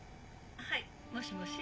☎はいもしもし？